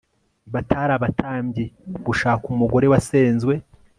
batari abatambyi gushaka umugore wasenzwe